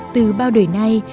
từ bao đời nay